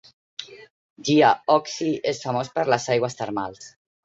Jiaoxi és famós per les aigües termals.